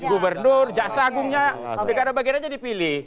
gubernur jaksa agungnya negara bagian aja dipilih